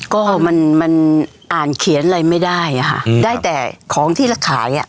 ก็มันอ่านเขียนอะไรไม่ได้ได้แต่ของที่และขาย